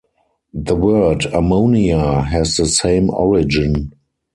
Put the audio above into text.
The word "ammonia" has the same origin.